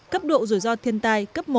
cấp độ rủi ro thiên tài cấp một